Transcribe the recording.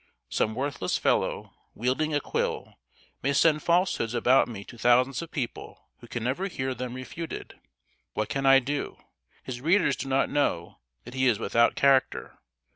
Some worthless fellow, wielding a quill, may send falsehoods about me to thousands of people who can never hear them refuted. What can I do? His readers do not know that he is without character.